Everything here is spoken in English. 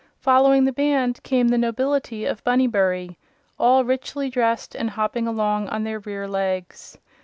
Following the band came the nobility of Bunnybury, all richly dressed and hopping along on their rear legs.